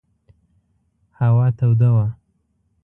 هوا توده وه.